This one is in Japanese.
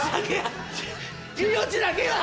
命だけは！